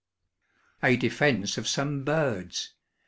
A DEFENSE OF SOME BIRDS.